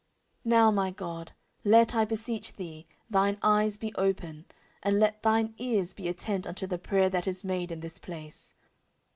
14:006:040 Now, my God, let, I beseech thee, thine eyes be open, and let thine ears be attent unto the prayer that is made in this place.